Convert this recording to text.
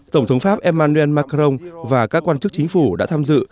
tổng thống pháp emmanuel macron và các quan chức chính phủ đã tham dự